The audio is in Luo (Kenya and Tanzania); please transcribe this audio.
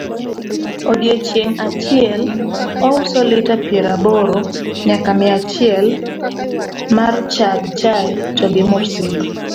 odiochieng' achiel ouso lita piero aboro nyaka mia achiel marchag chae togi mursik